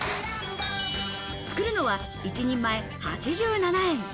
作るのは一人前８７円。